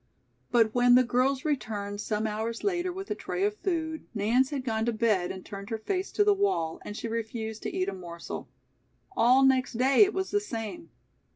But when the girls returned some hours later with a tray of food, Nance had gone to bed and turned her face to the wall, and she refused to eat a morsel. All next day it was the same.